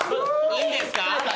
いいんですか？